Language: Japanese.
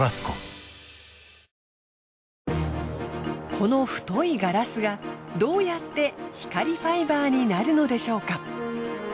この太いガラスがどうやって光ファイバーになるのでしょうか？